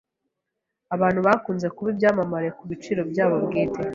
Abantu bakunze kuba ibyamamare kubiciro byabo bwite.